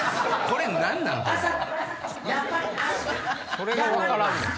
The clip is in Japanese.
これが分からんねん。